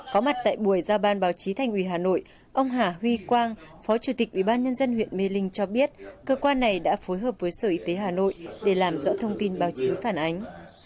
hỏi giao ban báo chí thành ủy hà nội ông hà huy quang phó chủ tịch ủy ban nhân dân huyện mê linh cho biết cơ quan này đã phối hợp với sở y tế hà nội để làm rõ thông tin báo chí phản ánh